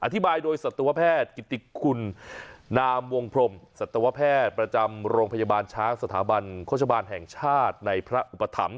อธิบายโดยสัตวแพทย์กิติคุณนามวงพรมสัตวแพทย์ประจำโรงพยาบาลช้างสถาบันโฆษบาลแห่งชาติในพระอุปถัมภ